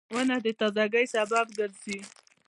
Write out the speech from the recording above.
• ونه د تازهګۍ سبب ګرځي.